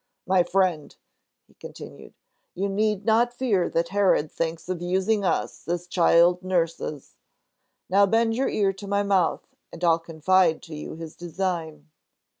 "My friend," he continued, "you need not fear that Herod thinks of using us as child nurses. Now bend your ear to my mouth, and I'll confide to you his design."